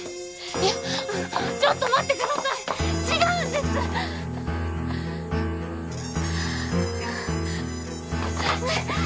いやあのちょっと待ってください違うんです！え！